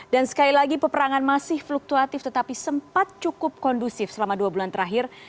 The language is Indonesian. dan sekali lagi peperangan masih fluktuatif tetapi sempat cukup kondusif selama dua bulan terakhir